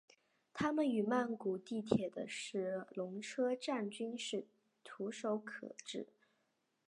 它们与曼谷地铁的是隆车站均是徙步可至。